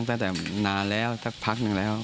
แต่ว่าได้นานแล้วนักพักนึงแล้ว